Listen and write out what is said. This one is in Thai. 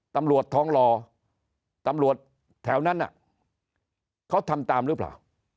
ตำรวจท้องหล่อตำรวจแถวนั้นเขาทำตามหรือเปล่า